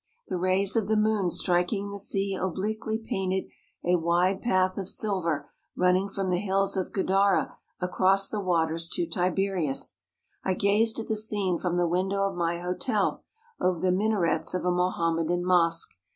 The rays of the moon striking the sea obliquely painted a wide path of silver running from the hills of Gadara across the waters to Tiberias. I gazed at the scene from the window of my hotel over the minarets of a Mohammedan mosque.